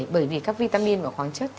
bởi vì các vitamin và khoáng chất